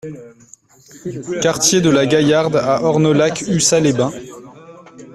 Quartier de la Gaillarde à Ornolac-Ussat-les-Bains